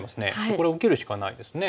これを受けるしかないですね。